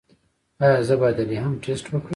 ایا زه باید د رحم ټسټ وکړم؟